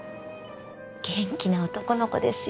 元気な男の子ですよ。